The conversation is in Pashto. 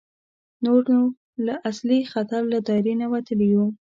نور نو له اصلي خطر له دایرې نه وتلي وو.